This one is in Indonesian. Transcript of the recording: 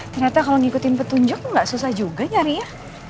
ternyata kalau ngikutin petunjuk gak susah juga nyari ya